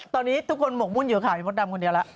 ตอนนี้ทุกคนหมกมุ่นอยู่ขายมดดำคนเดียวแล้ว